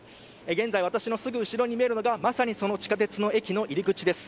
現在、私のすぐ後ろに見えるのがその地下鉄の駅の入り口です。